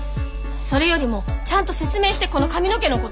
それよりもちゃんと説明してこの髪の毛のこと。